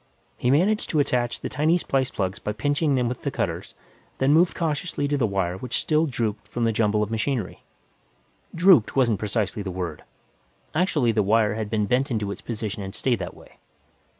He managed to attach the tiny splice lugs by pinching them with the cutters, then moved cautiously to the wire which still drooped from the jumble of machinery. "Drooped" wasn't precisely the word; actually the wire had been bent into its position and stayed that way.